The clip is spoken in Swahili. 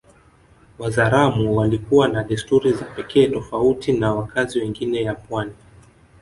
Wazaramo walikuwa na desturi za pekee tofauti na wakazi wengine ya pwani